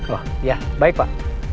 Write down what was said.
oh ya baik pak